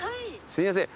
すいません。